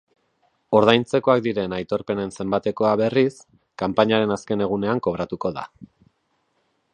Ordaintzekoak diren aitorpenen zenbatekoa, berriz, kanpainaren azken egunean kobratuko da.